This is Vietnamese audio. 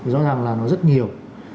rõ ràng là nó rất nhiều